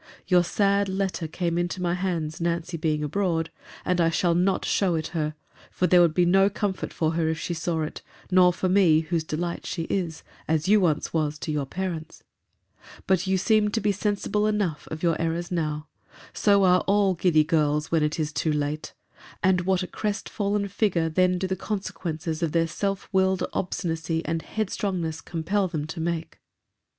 Your sad letter came into my hands, Nancy being abroad: and I shall not show it her: for there would be no comfort for her, if she saw it, nor for me, whose delight she is—as you once was to your parents.— But you seem to be sensible enough of your errors now.—So are all giddy girls, when it is too late: and what a crest fallen figure then do the consequences of their self willed obstinacy and headstrongness compel them to make!